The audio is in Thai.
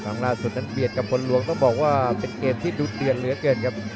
ครั้งล่าสุดนั้นเบียดกับคนหลวงต้องบอกว่าเป็นเกมที่ดูเดือดเหลือเกินครับ